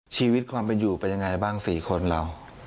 ชีวิตความประหยุดเป็นอย่างไรบ้าง๔คนเรา